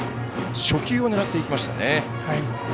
初球を狙っていきましたね。